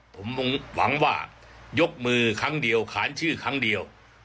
ผมหวังว่ายกมือครั้งเดียวขานชื่อครั้งเดียว